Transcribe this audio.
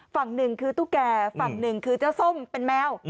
ฝั่งหนึ่งคือตุ๊กแก่ฝั่งหนึ่งคือเจ้าส้มเป็นแมว